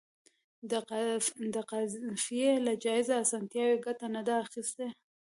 د قافیې له جائزې اسانتیا یې ګټه نه ده اخیستې.